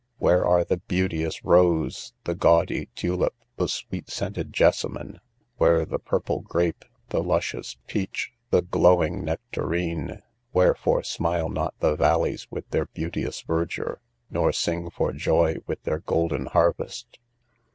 Where are the beauteous rose, the gaudy tulip, the sweet scented jessamine? where the purple grape, the luscious peach, the glowing nectarine? wherefore smile not the valleys with their beauteous verdure, nor sing for joy with their golden harvest?